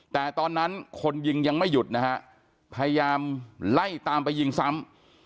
แต่ตอนนั้นคนยิงยังไม่หยุดนะฮะพยายามไล่ตามไปยิงซ้ำ